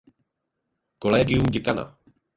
Kolegium děkana.